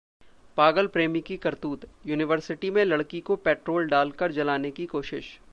पागल प्रेमी की करतूत, यूनिवर्सिटी में लड़की को पेट्रोल डालकर जलाने की कोशिश